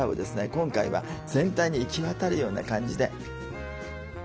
今回は全体に行き渡るような感じで。